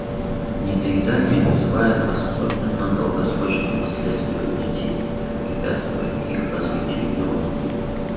Недоедание вызывает особенно долгосрочные последствия у детей, препятствуя их развитию и росту.